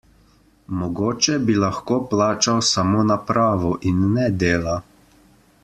Mogoče bi lahko plačal samo napravo in ne dela?